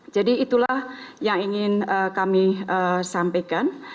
jadi itulah yang ingin kami sampaikan